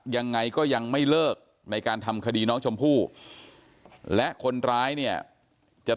ยังไงก็ยังไม่เลิกในการทำคดีน้องชมพู่และคนร้ายเนี่ยจะ